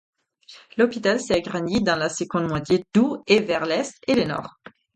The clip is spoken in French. L'hôpital s'est agrandi dans la seconde moitié du et vers l'est et le nord.